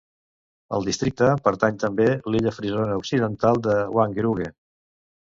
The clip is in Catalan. Al districte pertany també l'illa frisona occidental de Wangerooge.